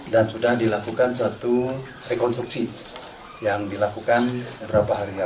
dan sudah dilakukan suatu rekonstruksi yang dilakukan beberapa hari yang lalu